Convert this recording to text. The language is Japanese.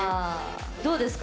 どうですか